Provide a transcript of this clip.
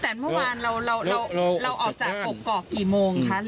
แต่เมื่อวานเราออกจากกกอกกี่โมงคะ